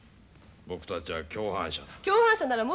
僕たちは共犯者だ。